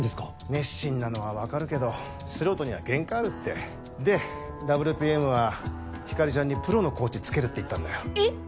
熱心なのは分かるけど素人には限界あるってでＷＰＭはひかりちゃんにプロのコーチつけるって言ったんだよえっ！